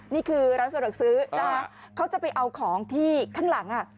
นี่คือร้านสะดวกซื้อนะคะเขาจะไปเอาของที่ข้างหลัง